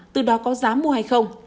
từ đó có dám mua hay không